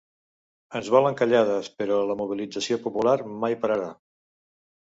Ens volen callades, però la mobilització popular mai pararà!